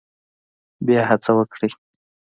بیا هڅه وکړئ